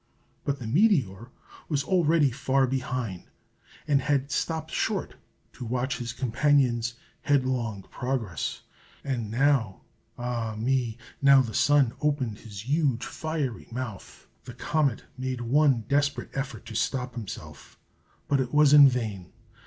But the meteor was already far behind, and had stopped short to watch his companion's headlong progress. And now, ah, me! now the Sun opened his huge fiery mouth. The comet made one desperate effort to stop himself, but it was in vain.